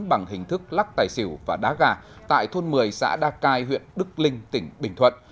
bằng hình thức lắc tài xỉu và đá gà tại thôn một mươi xã đa cai huyện đức linh tỉnh bình thuận